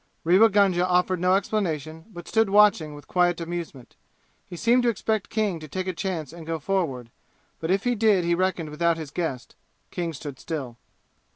Rewa Gunga offered no explanation, but stood watching with quiet amusement. He seemed to expect King to take a chance and go forward, but if he did he reckoned without his guest. King stood still.